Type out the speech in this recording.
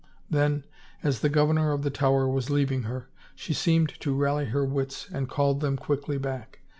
Then as the governor of the Tower was leaving her, she seemed to rally her wits and called him quickly back.